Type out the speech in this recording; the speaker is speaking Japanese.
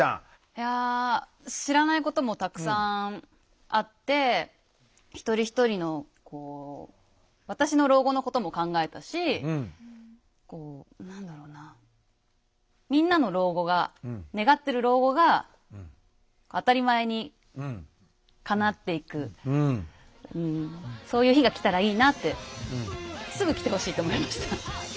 いや知らないこともたくさんあって一人一人のこう私の老後のことも考えたし何だろうなみんなの老後が願ってる老後が当たり前にかなっていくそういう日が来たらいいなってすぐ来てほしいと思いました。